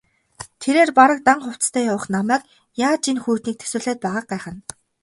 Тэрээр бараг дан хувцастай явах намайг яаж энэ хүйтнийг тэсвэрлээд байгааг гайхна.